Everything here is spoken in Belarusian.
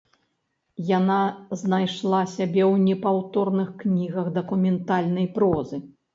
Яна знайшла сябе ў непаўторных кнігах дакументальнай прозы.